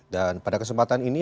dan pada kesempatan ini